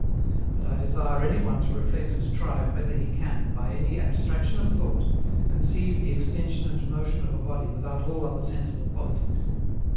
But I desire any one to reflect and try whether he can, by any abstraction of thought, conceive the extension and motion of a body without all other sensible qualities.